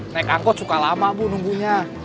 naik angkot suka lama bu nunggunya